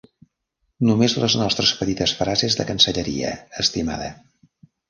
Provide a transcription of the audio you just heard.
Només les nostres petites frases de cancelleria, estimada.